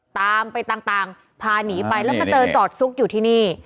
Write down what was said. ตามไปต่างพาหนีไปแล้วมาเจอจอดซุกอยู่ที่นี่